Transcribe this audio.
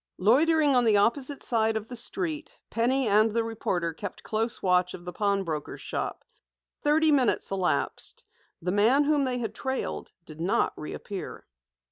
Loitering on the opposite side of the street, Penny and the reporter kept close watch of the pawnbroker's shop. Thirty minutes elapsed. The man whom they had trailed, did not reappear.